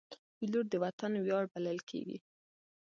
پیلوټ د وطن ویاړ بلل کېږي.